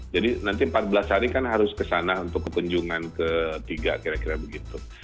jadi nanti empat belas hari harus ke sana untuk kekunjungan ketiga kira kira begitu